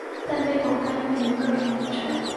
但被广泛用于各种名称。